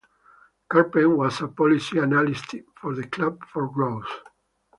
Kerpen was a policy analyst for the Club for Growth.